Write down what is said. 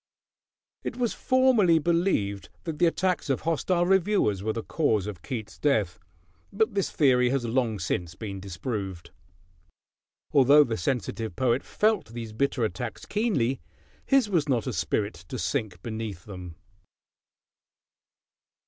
It was formerly believed that the attacks of hostile reviewers were the cause of Keats' death; but this theory has long since been disproved. Although the sensitive poet felt these bitter attacks keenly, his was not a spirit to sink beneath them.